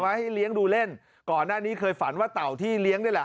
ให้เลี้ยงดูเล่นก่อนหน้านี้เคยฝันว่าเต่าที่เลี้ยงนี่แหละ